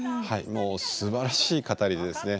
もうすばらしい語りでですね